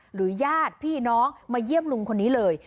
หรือยาดพี่น้องมาเยี่ยมลุงคนนี้เลย